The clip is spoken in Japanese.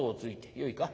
よいか。